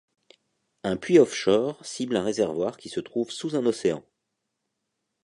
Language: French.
Un puits offshore cible un réservoir qui se trouve sous un océan.